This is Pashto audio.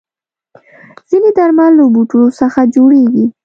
ځینې درمل له بوټو څخه جوړېږي.